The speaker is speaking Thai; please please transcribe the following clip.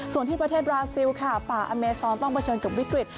ส่วนที่ประเทศบราซิลค่ะป่าอเมซอนต้องเผชิญกับวิกฤต